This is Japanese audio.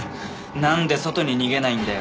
なんで外に逃げないんだよ。